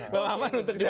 bapak aman untuk siapa